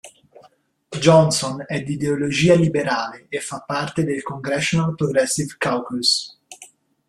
Johnson è di ideologia liberale e fa parte del Congressional Progressive Caucus.